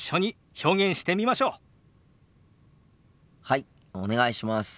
はいお願いします。